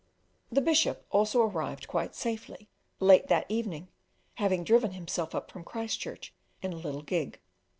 The Bishop also arrived quite safely, late that evening, having driven himself up from Christchurch in a little gig.